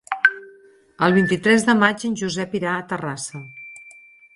El vint-i-tres de maig en Josep irà a Terrassa.